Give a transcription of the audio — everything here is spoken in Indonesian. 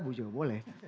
bu jo boleh